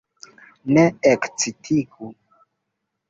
Ne ekcitiĝu!